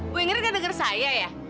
bu ingrid gak denger saya ya